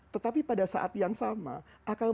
tetapi pada saat yang sama akal